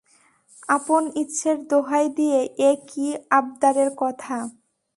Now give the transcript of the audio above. আপন ইচ্ছের দোহাই দিয়ে এ কী আবদারের কথা।